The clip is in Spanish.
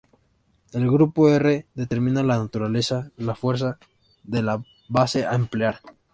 El grupo R determina la naturaleza, la fuerza, de la base a emplear.